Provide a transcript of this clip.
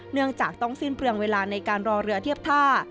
เนื่องจากต้องสิ้นเปลืองเวลาในการรอเรือเทียบท่า